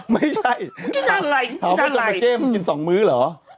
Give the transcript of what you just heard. ไม่ใช่ถามว่าลาเก้มึงกินสองมื้อเหรอ